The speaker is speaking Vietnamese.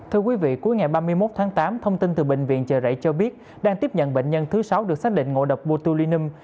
thưa quý vị cuối ngày ba mươi một tháng tám thông tin từ bệnh viện chợ rẫy cho biết đang tiếp nhận bệnh nhân thứ sáu được xác định ngộ độc botulinum